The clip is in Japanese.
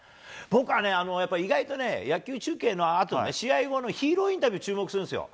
僕はね、意外とね、野球中継のあとね、試合後のヒーローインタビューに注目するんですよ。